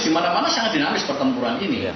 di mana mana sangat dinamis pertempuran ini